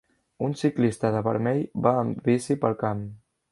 Un ciclista de vermell, va amb bici pel camp.